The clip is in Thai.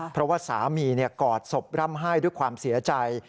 เพราะว่าสามีกอดศพร่ำไห้ด้วยความเสียใจ